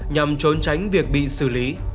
nhằm trốn tránh việc bị xử lý